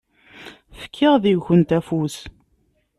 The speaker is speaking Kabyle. Fkiɣ deg-kent afus.